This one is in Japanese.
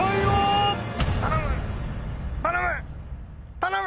頼む！